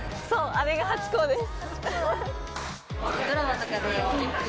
あれがハチ公です。